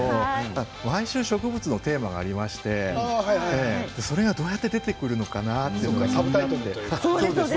毎週、植物のテーマがありましてそれが、どうやって出てくるのかなって。